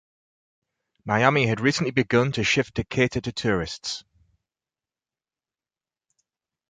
Miami had recently begun to shift to cater to tourists.